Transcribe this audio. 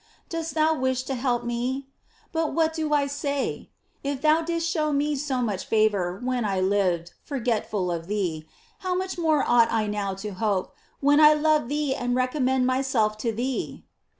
Dost thou wish to help me ? But what do I say ? If thou didst show me so much favor when I lived forgetful of thee, how much more ought I now to hope, when I love thee and re commend myself to thee